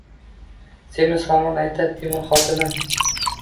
Semiz hammol aytar: “Temur xotinin